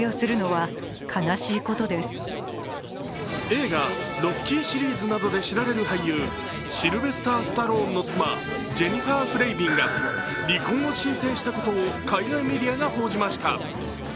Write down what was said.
映画「ロッキー」シリーズなどで知られる俳優シルベスター・スタローンの妻、ジェニファー・フレイヴィンが離婚を申請したことを海外メディアが報じました。